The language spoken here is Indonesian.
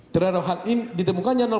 terhadap hal ini ditemukannya